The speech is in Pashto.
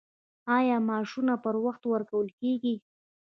آیا معاشونه پر وخت ورکول کیږي؟